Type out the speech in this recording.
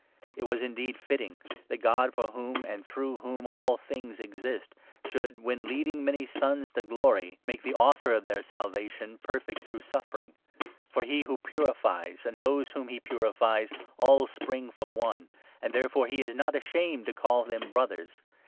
It was, indeed, fitting that God, for whom 10 and through whom all things exist, should, when leading many sons to glory, make the author of their Salvation perfect »» PB. KM. 35 27. " p8. 1I0. ,.« fl p8. 8. 4 6. HEBREWS, 2 8. 433 through suffering. For he who purifies, and those whom he n purifies, all spring from One ; and therefore he is not ashamed to call them ' Brothers.'